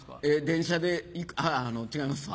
「電車で行く」あ違いますわ。